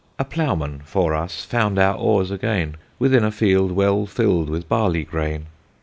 A plowman (for us) found our Oares againe, Within a field well fil'd with Barley Graine.